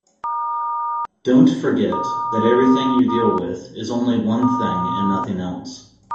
Don't forget that everything you deal with is only one thing and nothing else.